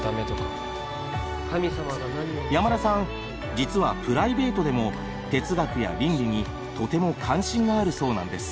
山田さん実はプライベートでも哲学や倫理にとても関心があるそうなんです。